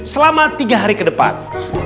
selama tiga hari kedepan